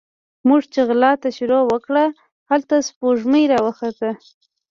موږ چې غلا ته شروع وکړه، هلته سپوږمۍ راوخته